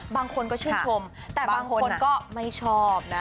บางคนก็ชื่นชมแต่บางคนก็ไม่ชอบนะ